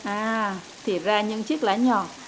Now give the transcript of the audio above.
à thì ra những chiếc lá nhỏ